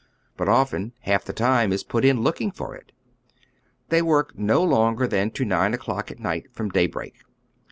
But often half the time is put in looking for it. They work no longer than to nine o'clock at night, from daybreak.